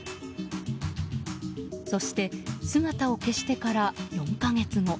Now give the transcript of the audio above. そして、姿を消してから４か月後。